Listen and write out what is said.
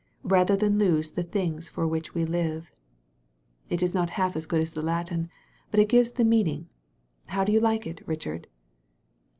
Rather than lose the things for which we live. It is not half as good as the Latin. But it gives the meaning. How do you like it, Richard?